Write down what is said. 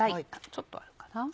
ちょっとあるかな。